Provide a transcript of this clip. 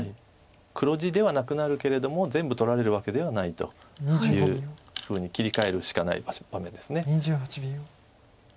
黒地ではなくなるけれども全部取られるわけではないというふうに切り替えるしかない場面です。